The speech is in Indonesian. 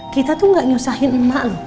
kita tuh gak nyusahin emak loh